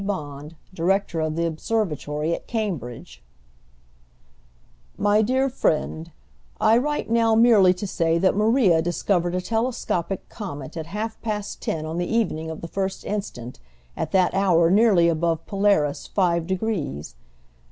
Bond, director of the Observatory at Cambridge: MY DEAR FRIEND, I write now merely to say that Maria discovered a telescopic comet at half past ten on the evening of the first instant, at that hour nearly above Polaris five degrees.